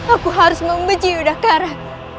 aku harus membenci yudhakara